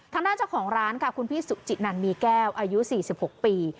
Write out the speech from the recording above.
ทางด้านเจ้าของร้านค่ะคุณพี่สุจินันมีแก้วอายุ๔๖ปี